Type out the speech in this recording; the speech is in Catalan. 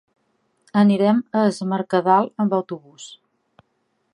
Anirem a Es Mercadal amb autobús.